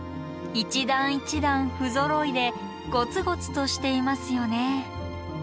一段一段不ぞろいでゴツゴツとしていますよね。